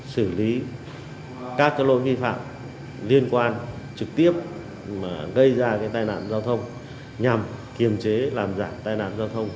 xử lý các lỗi vi phạm liên quan trực tiếp mà gây ra tai nạn giao thông nhằm kiềm chế làm giảm tai nạn giao thông